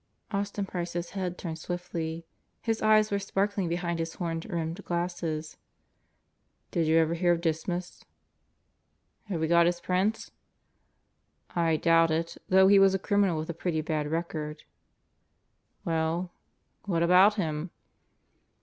Austin Price's head turned swiftly. His eyes were sparkling behind his horn rimmed glasses. "Did you ever hear of Dismas?" "Have we got his prints?" "I doubt it, though he was a criminal with a pretty bad record." "Well, what about him?"